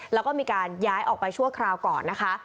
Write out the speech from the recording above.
แล้วก็มีการย้ายออกไปชั่วคราวก่อนนะคะ